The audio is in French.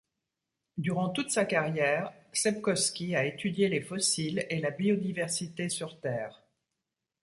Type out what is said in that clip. Durant toute sa carrière Sepkoski a étudié les fossiles et la biodiversité sur Terre.